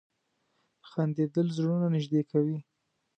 • خندېدل زړونه نږدې کوي.